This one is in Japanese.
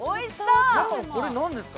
中、これ何ですか？